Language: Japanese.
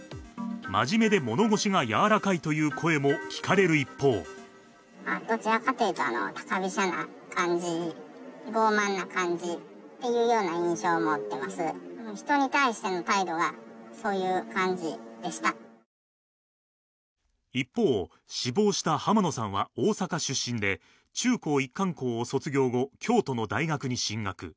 真面目で物腰が柔らかいという声も聞かれる一方一方、死亡した濱野さんは大阪出身で、中高一貫校を卒業後、京都の大学に進学。